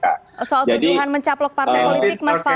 soal tuduhan mencaplok partai politik mas fadli